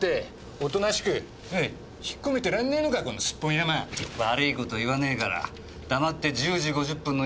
おとなしくおい引っ込めてらんねえのかこのスッポン山！悪い事言わねえから黙って１０時５０分の映像見せろ。